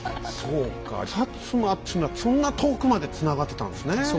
そうか摩というのはそんな遠くまでつながってたんですね。